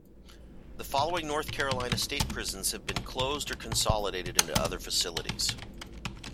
The following North Carolina state prisons have been closed or consolidated into other facilities.